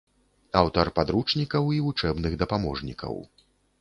Аўтар падручнікаў і вучэбных дапаможнікаў.